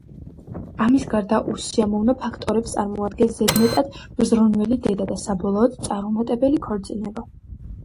ამის გარდა, უსიამოვნო ფაქტორებს წარმოადგენს ზედმეტად მზრუნველი დედა და საბოლოოდ, წარუმატებელი ქორწინება.